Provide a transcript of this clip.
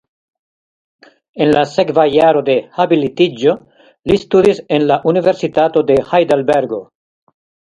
En la sekva jaro de habilitiĝo li studis en la Universitato de Hajdelbergo.